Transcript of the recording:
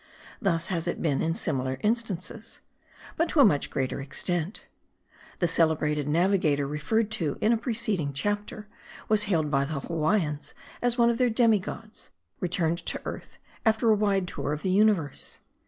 Thus has it been in similar in stances ; but to a much greater extent. The celebrated navigator referred to in a preceding chapter, was hailed by the Hawaiians as one of their demi gods, returned to earth, after a wide tour of the universe.